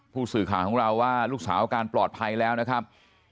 ผู้สื่อข่าวของเราว่าลูกสาวอาการปลอดภัยแล้วนะครับ